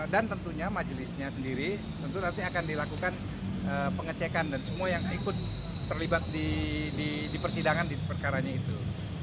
dan tentunya majelisnya sendiri akan dilakukan pengecekan dan semua yang ikut terlibat di persidangan di perkaranya itu